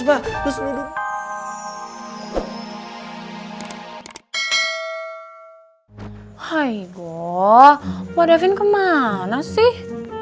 aigoo mbak davin kemana sih